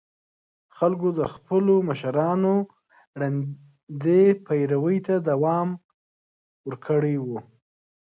خلګو د خپلو مشرانو ړندې پيروي ته دوام ورکړی و.